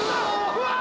うわ！